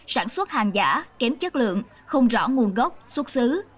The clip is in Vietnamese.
sản xuất hàng giả kém chất lượng không rõ nguồn gốc xuất xứ